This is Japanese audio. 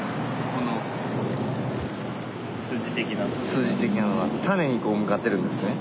筋的なのが種に向かってるんですね。